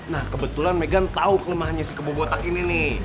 nah kebetulan megan tau kelemahannya si kebobotak ini nih